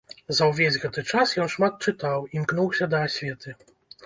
За ўвесь гэты час ён шмат чытаў, імкнуўся да асветы.